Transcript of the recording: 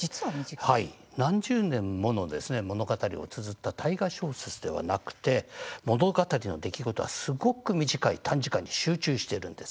何十年もの物語をつづった大河小説ではなくて物語の出来事はすごく短い短時間に集中しているんです。